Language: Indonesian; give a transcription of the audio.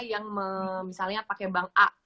yang misalnya pakai bank a